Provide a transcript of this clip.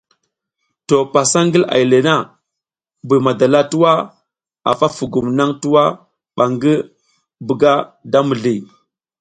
To pasa ngil ay le na, Buy madala twa a fa fugum naŋ twa ɓa ngi buga da mizli.